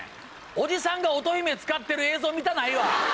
おじさんが音姫使ってる映像見たないわ！